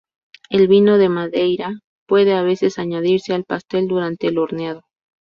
El vino de Madeira puede a veces añadirse al pastel durante el horneado.